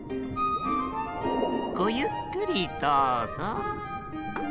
ごゆっくりどうぞ。